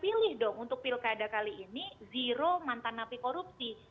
pilih dong untuk pilkada kali ini zero mantan api korupsi